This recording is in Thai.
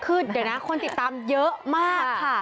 คือเดี๋ยวนะคนติดตามเยอะมากค่ะ